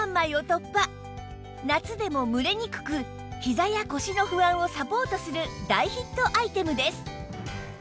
夏でも蒸れにくくひざや腰の不安をサポートする大ヒットアイテムです